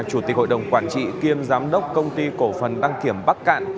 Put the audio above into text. chủ tịch hội đồng quản trị kiêm giám đốc công ty cổ phần đăng kiểm bắc cạn